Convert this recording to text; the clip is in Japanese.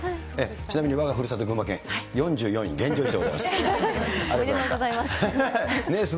ちなみにわがふるさと群馬県、４４位、現状維持でございます。